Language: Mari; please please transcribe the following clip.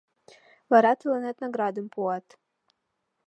Вара тыланет наградым пуат.